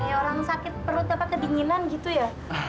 kayak orang sakit perut apa kedinginan gitu ya